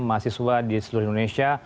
mahasiswa di seluruh indonesia